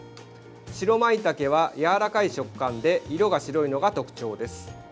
白まいたけは、やわらかい食感で色が白いのが特徴です。